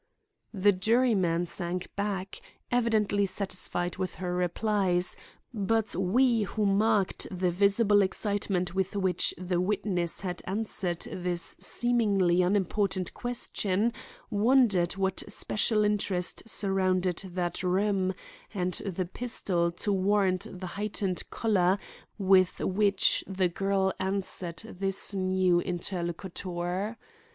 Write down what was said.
The juryman sank back, evidently satisfied with her replies, but we who marked the visible excitement with which the witness had answered this seemingly unimportant question, wondered what special interest surrounded that room and the pistol to warrant the heightened color with which the girl answered this new interlocutor.